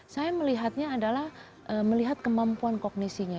saya melihatnya adalah melihat kemampuan kognisinya